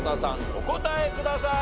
お答えください。